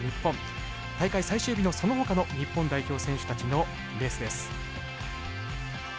大会最終日のそのほかの日本代表選手たちのレースです。